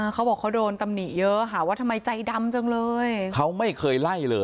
เขาบอกว่าเขาโดนตำหนิเยอะหาว่าทำไมใจดำจังเลย